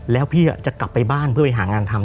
แล้วพี่จะกลับไปบ้านเพื่อไปหางานทำ